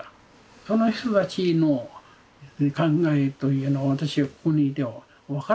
その人たちの考えというのは私はここにいては分からないわけですね。